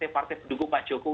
partai pendukung pak joko